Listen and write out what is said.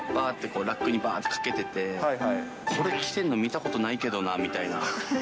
ラックにばーってかけてて、これ着てるの見たことないけどなみたいな。